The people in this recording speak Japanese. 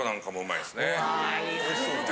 あいいですよね。